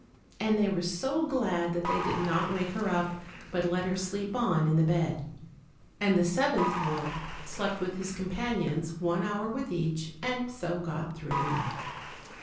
and they were so glad that they did not wake her up, but let her sleep on in the bed. And the seventh dwarf slept with his companions, one hour with each, and so got through the night.